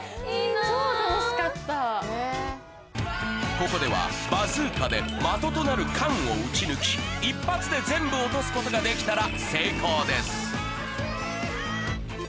ここではバズーカで的となる缶を撃ち抜き一発で全部落とすことができたら成功です